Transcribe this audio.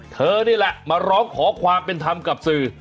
เธอนี่แหละมาร้องขอความเป็นธรรมกับสื่อ